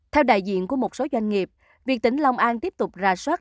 theo đại diện của một số doanh nghiệp việc tỉnh long an tiếp tục ra soát